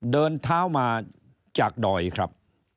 เดินเท้ามาจากดอยครับ